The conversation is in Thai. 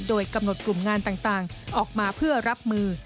โดยกำหนดกลุ่มงานต่างออกมาเพื่อรับมือ